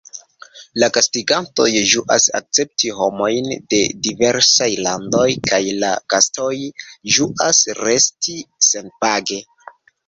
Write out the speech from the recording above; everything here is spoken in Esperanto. La gastigantoj ĝuas akcepti homojn de diversaj landoj, kaj la gastoj ĝuas resti senpage.